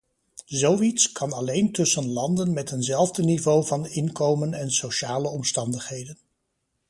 Zoiets kan alleen tussen landen met eenzelfde niveau van inkomen en sociale omstandigheden.